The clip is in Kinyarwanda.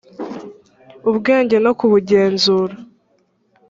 ubwenge no kubugenzura